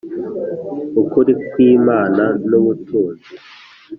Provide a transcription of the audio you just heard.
Ukuri kw'Imana n'ubutunzi.